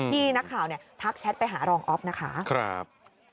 ที่นักข่าวเนี่ยทักแชทไปหารองอ๊อฟนะคะ